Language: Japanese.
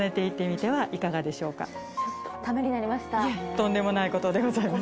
とんでもないことでございます